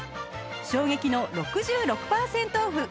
衝撃の６６パーセントオフ